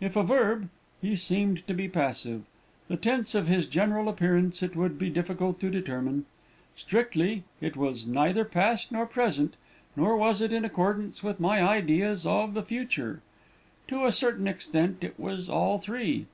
If a verb, he seemed to be passive. The tense of his general appearance it would be difficult to determine. Strictly, it was neither past nor present, nor was it in accordance with my ideas of the future. To a certain extent it was all three.